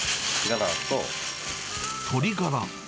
鶏ガラ。